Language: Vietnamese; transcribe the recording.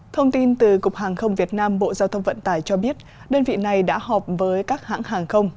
thông tin từ cục hàng không việt nam bộ giao thông vận tải cho biết đơn vị này đã họp với các hãng hàng không